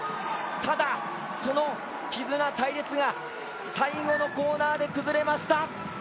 ただその絆、隊列が最後のコーナーで崩れました。